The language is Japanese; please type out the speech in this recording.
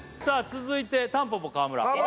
続いてたんぽぽ川村